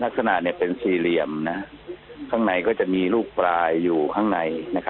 ลักษณะเป็นสี่เหลี่ยมข้างในก็จะมีลูกปลายอยู่ข้างใน